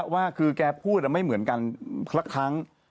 ว่าคือแกพูดไม่เหมือนกันสักครั้ง